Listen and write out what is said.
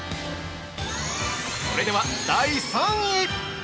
◆それでは第３位！